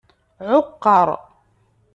Ɛuqqer.